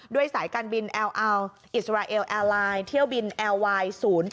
สายการบินแอลอัลอิสราเอลแอร์ไลน์เที่ยวบินแอร์ไวน์๐๘